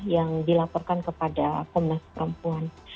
yang dilaporkan kepada komnas perempuan